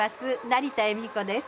成田恵美子です。